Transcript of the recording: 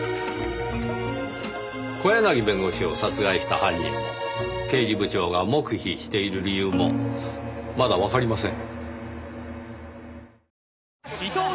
小柳弁護士を殺害した犯人も刑事部長が黙秘している理由もまだわかりません。